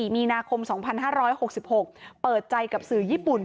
มีนาคม๒๕๖๖เปิดใจกับสื่อญี่ปุ่น